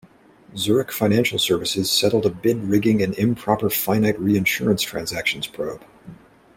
Zurich Financial Services settled a bid-rigging and improper "finite reinsurance" transactions probe.